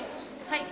はい！